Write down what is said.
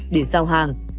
để giao hàng